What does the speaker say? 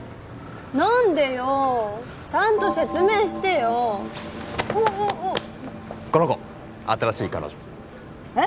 何でよちゃんと説明してよおっおっおっこの子新しい彼女えっ？